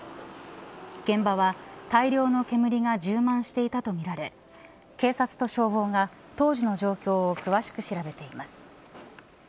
現場は大量の煙が充満していたとみられ警察と消防が、当時の状況を詳しく調べています。